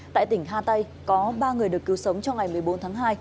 tại tỉnh ha tây có ba người được cứu sống cho ngày một mươi bốn tháng hai